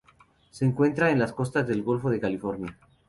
Se encuentran en las costas del Golfo de California.